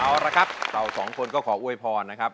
เอาละครับเราสองคนก็ขออวยพรนะครับ